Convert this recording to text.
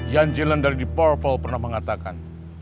yang jilandar di purple pernah mengatakan